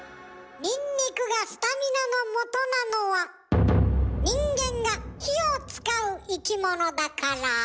ニンニクがスタミナのもとなのは人間が火を使う生き物だから。